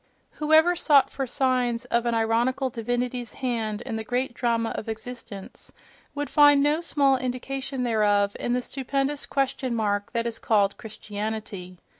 Whoever sought for signs of an ironical divinity's hand in the great drama of existence would find no small indication thereof in the stupendous question mark that is called Christianity.